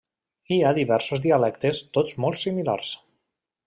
Hi ha diversos dialectes tots molt similars.